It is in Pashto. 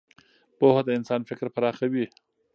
پوهه د انسان فکر پراخوي.